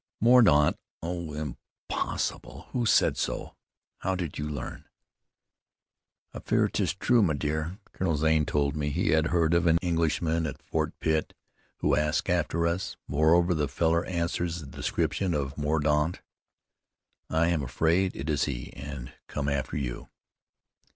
"Mordaunt? Oh, impossible! Who said so? How did you learn?" "I fear 'tis true, my dear. Colonel Zane told me he had heard of an Englishman at Fort Pitt who asked after us. Moreover, the fellow answers the description of Mordaunt. I am afraid it is he, and come after you."